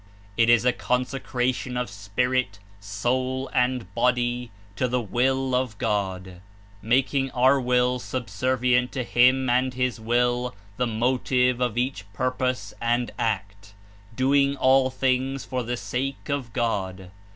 It is consecration of spirit, soul and body to the Will of God, making our wills subservient to Him and his Will the motive of each purpose and act, doing all things "for the sake of God."